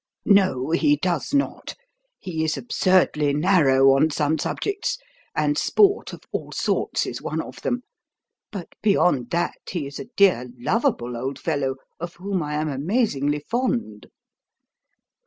"No, he does not. He is absurdly 'narrow' on some subjects, and 'sport' of all sorts is one of them. But, beyond that, he is a dear, lovable old fellow, of whom I am amazingly fond."